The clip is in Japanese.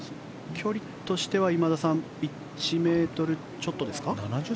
距離としては今田さん１ｍちょっとですか？